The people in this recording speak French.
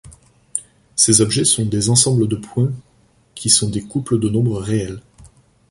Ces objets sont des ensembles de points qui sont des couples de nombres réels.